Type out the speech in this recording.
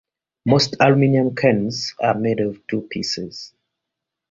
Most aluminum cans are made of two pieces.